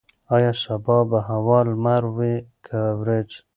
ایا سبا به هوا لمر وي که وریځ؟